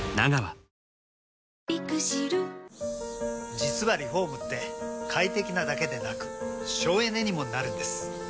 実はリフォームって快適なだけでなく省エネにもなるんです。